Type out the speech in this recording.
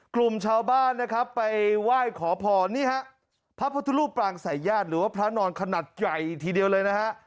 กลุ่มชาวบ้านนะครับไปไหว้ขอพรนี่ฮะพระพุทธรูปปรางสายญาติหรือว่าพระนอนขนาดใหญ่ทีเดียวเลยนะฮะ